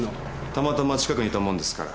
たまたま近くにいたもんですから。